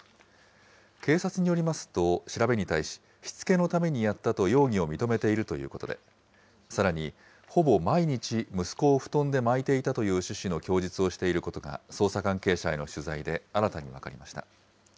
警察によりますと、調べに対し、しつけのためにやったと容疑を認めているということで、さらに、ほぼ毎日、息子を布団で巻いていたという趣旨の供述をしていることが、捜査関係者への取材で新たに分かりました。